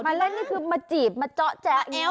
มาเล่นนี่คือมาจีบมาเจ๊าะแจ๊ะค่ะอันนี้เหรอ